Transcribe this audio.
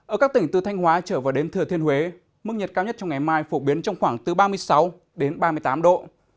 ở các tỉnh từ thanh hóa trở vào đến thừa thiên huế mức nhiệt cao nhất trong ngày mai phổ biến trong khoảng từ ba mươi sáu đến ba mươi tám độ